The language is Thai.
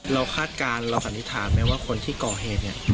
คาดการณ์เราสันนิษฐานไหมว่าคนที่ก่อเหตุเนี่ย